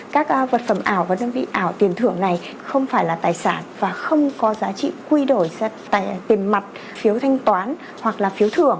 các vật phẩm ảo và đơn vị ảo tiền thưởng này không phải là tài sản và không có giá trị quy đổi ra tiền mặt phiếu thanh toán hoặc là phiếu thừa